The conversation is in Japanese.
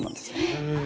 へえ！